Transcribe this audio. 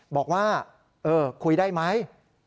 บอกว่าคุยได้ไหม